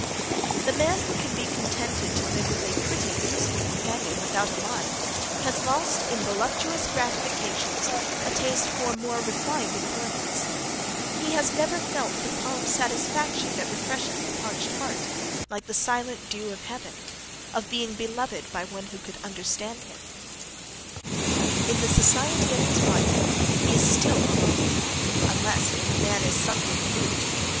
The man who can be contented to live with a pretty useful companion without a mind, has lost in voluptuous gratifications a taste for more refined enjoyments; he has never felt the calm satisfaction that refreshes the parched heart, like the silent dew of heaven of being beloved by one who could understand him. In the society of his wife he is still alone, unless when the man is sunk in the brute.